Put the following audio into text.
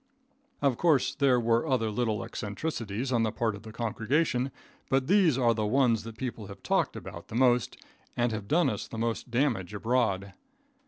Of course there were other little eccentricities on the part of the congregation, but these were the ones that people have talked about the most, and have done us the most damage abroad.